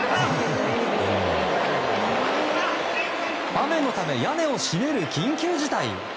雨のため屋根を閉める緊急事態。